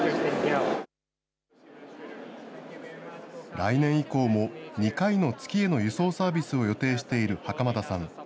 来年以降も２回の月への輸送サービスを予定している袴田さん。